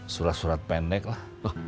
surat surat pendek lah